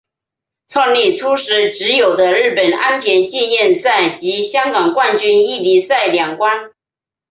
创立初时只有的日本安田纪念赛及香港冠军一哩赛两关。